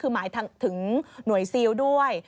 คือหมายถึงหน่วยซิลด้วย